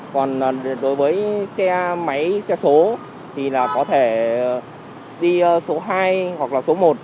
còn đối với xe máy xe số thì là có thể đi số hai hoặc là số một